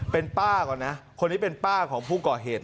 เป็นป้าก่อนนะคนนี้เป็นป้าของผู้ก่อเหตุ